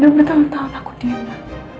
bertahun tahun aku diam ma